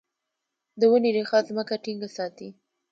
د ونې ریښه ځمکه ټینګه ساتي.